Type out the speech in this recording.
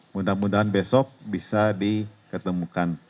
mudah mudahan besok bisa diketemukan